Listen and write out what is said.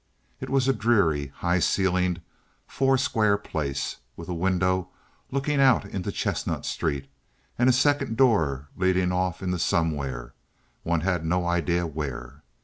It was a dreary, high ceiled, four square place, with a window looking out into Chestnut Street, and a second door leading off into somewhere—one had no idea where.